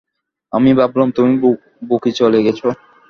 আমি ভাবলাম তুমি বুকি চলে গেছ।